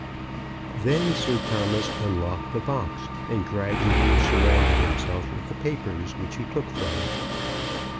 Then Sir Thomas unlocked the box, and gradually surrounded himself with the papers which he took from it.